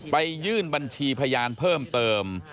ยื่นบัญชีพยานเพิ่มเติม